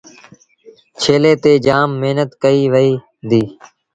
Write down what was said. ڇيلي تي جآم مهنت ڪئيٚ وهي دي۔